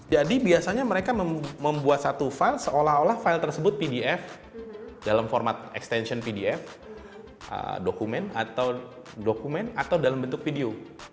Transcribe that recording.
jadi biasanya mereka membuat satu file seolah olah file tersebut pdf dalam format extension pdf dokumen atau dalam bentuk video